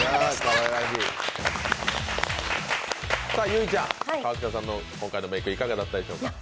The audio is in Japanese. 結実ちゃん、河北さんの今回のメーク、いかがだったでしょうか。